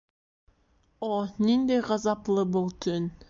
О, ниндәй ғазаплы был төн!